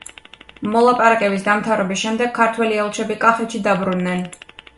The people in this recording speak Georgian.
მოლაპარაკების დამთავრების შემდეგ ქართველი ელჩები კახეთში დაბრუნდნენ.